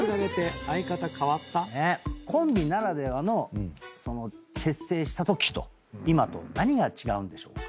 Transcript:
コンビならではの結成したときと今と何が違うんでしょうか？